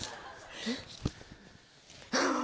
えっ？